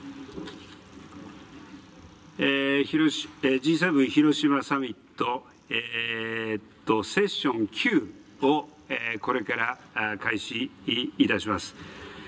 Ｇ７広島サミット、セッション９をこれから開始いたします。